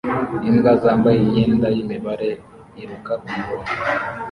Imbwa zambaye imyenda yimibare iruka kumurongo